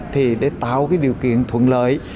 thì để tạo điều kiện thuận lợi